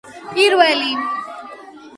პირველი